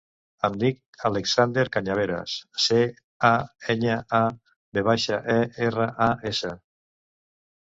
Em dic Alexander Cañaveras: ce, a, enya, a, ve baixa, e, erra, a, essa.